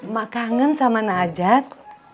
mak kangen sama najat